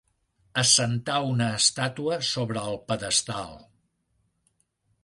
Assentar una estàtua sobre el pedestal.